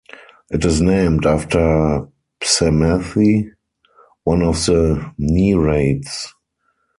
It is named after Psamathe, one of the Nereids.